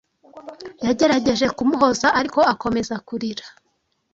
Yagerageje kumuhoza, ariko akomeza kurira.